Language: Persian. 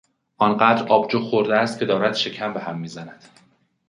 آنقدر آبجو خورده است که دارد شکم به هم میزند.